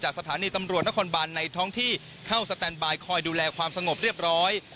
สถานีตำรวจนครบานในท้องที่เข้าสแตนบายคอยดูแลความสงบเรียบร้อย